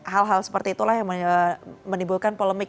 hal hal seperti itulah yang menimbulkan polemik